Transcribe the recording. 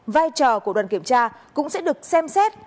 vai trò của đoàn kiểm tra cũng sẽ được xem xét